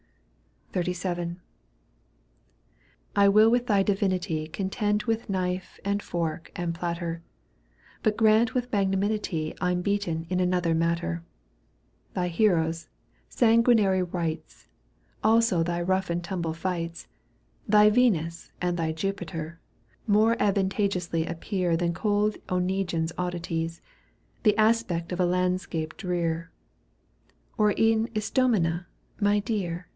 Digitized by VjOOQ 1С CAOTO V. EUGENE ON^GUINE. 149 XXXVII. I wiQ. with thy divinity Contend with knife and fork and platter, But grant with magnanimity I'm beaten in another matter ; Thy heroes, sanguinary wights, Also thy rough and tumble fights. Thy Venus and thy Jupiter, More advantageously appear Than cold Oneguine's oddities, The aspect of a landscape drear. Or e'en Ist6mina, my dear.